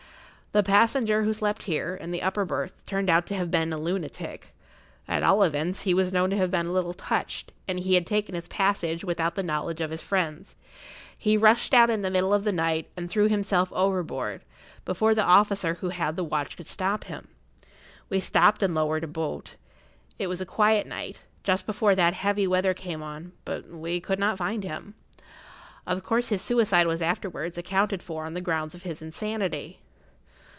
The passenger who slept here, in the upper berth, turned out to have been a lunatic—at all events, he was known to have been a little touched, and he had taken his passage without the knowledge of his friends. He rushed out in the middle of the night, and threw himself overboard, before the officer who had the watch could stop him. We stopped and lowered a boat; it was a quiet night, just before that heavy weather came on; but we could not find him. Of course his suicide was afterwards accounted for on the ground of his insanity."